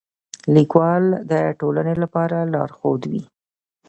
لیکوال د ټولنې لپاره لارښود وي.